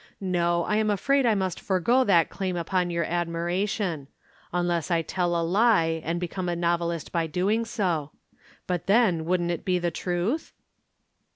No, I am afraid I must forego that claim upon your admiration. Unless I tell a lie and become a novelist by doing so. But then wouldn't it be the truth?"